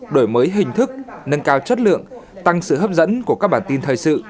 đổi mới hình thức nâng cao chất lượng tăng sự hấp dẫn của các bản tin thời sự